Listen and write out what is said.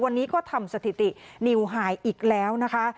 วันนี้ก็ทำสถิตินิวหายอีกแล้วนะคะ